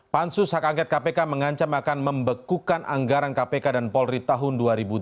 pansus hak angket kpk mengancam akan membekukan anggaran kpk dan polri tahun dua ribu tujuh belas